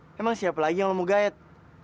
eh emang siapa lagi yang lu mau gayet